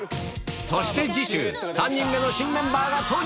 そして次週３人目の新メンバーが登場！